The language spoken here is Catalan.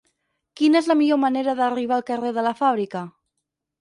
Quina és la millor manera d'arribar al carrer de la Fàbrica?